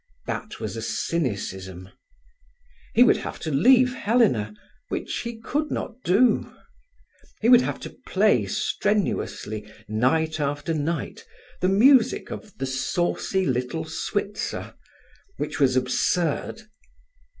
That was a cynicism. He would have to leave Helena, which he could not do. He would have to play strenuously, night after night, the music of The Saucy Little Switzer which was absurd.